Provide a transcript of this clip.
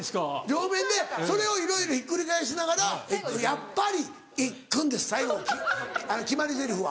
両面でそれをいろいろひっくり返しながら「やっぱりいっくん」で最後決まりゼリフは。